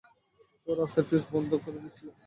কেউ রাস্তার ফিউজ বন্ধ করেছিল।